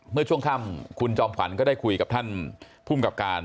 เมื่อช่วงค่ำคุณจอมขวัญก็ได้คุยกับท่านภูมิกับการ